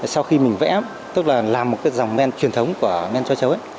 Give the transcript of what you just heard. sau khi mình vẽ tức là làm một dòng men truyền thống của men cho cháu